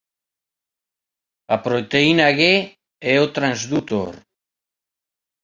A proteína G é o "transdutor.